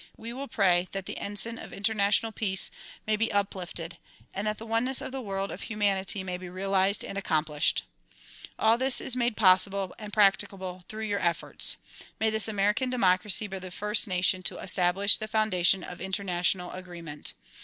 We will pray that the ensign of intei national peace may be uplifted and that the oneness of the world of humanity may be realized and accomplished. All this is made possible and practicable through your efforts. May this American democracy be the first nation to establish the foun 34 THE PROMULGATION OF UNIVERSAL PEACE dation of international agreement.